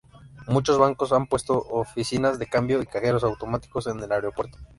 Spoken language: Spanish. Muchos bancos han puesto oficinas de cambio y cajeros automáticos en el aeropuerto.